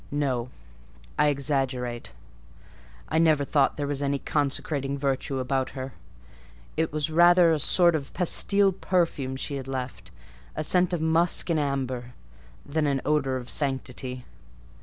No,—I exaggerate; I never thought there was any consecrating virtue about her: it was rather a sort of pastille perfume she had left; a scent of musk and amber, than an odour of sanctity.